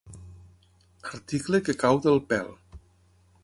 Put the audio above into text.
Article que cau del pèl.